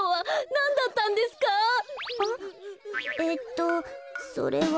えっとそれは。